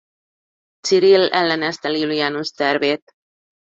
Cirill ellenezte Iulianus tervét.